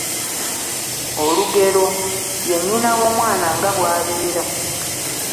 Olugero: Ye nnyina w'omwana nga bw'abeera.